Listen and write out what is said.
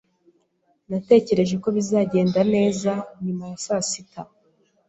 Natekereje ko bizagenda neza nyuma ya saa sita.